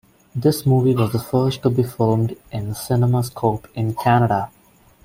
This movie was the first to be filmed in CinemaScope in Canada.